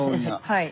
はい。